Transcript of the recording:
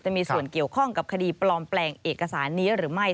จะมีส่วนเกี่ยวข้องกับคดีปลอมแปลงเอกสารนี้หรือไม่